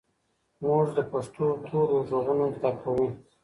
موږ د پښتو تورو ږغونه زده کوو.